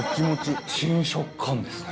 高岸：新食感ですね。